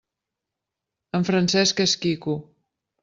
En Francesc és quico.